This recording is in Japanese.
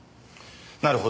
なるほど。